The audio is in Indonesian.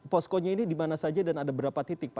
poskonya ini di mana saja dan ada berapa titik pak